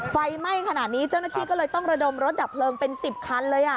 ไฟไหม้ขนาดนี้เจ้าหน้าที่ก็เลยต้องระดมรถดับเพลิงเป็น๑๐คันเลย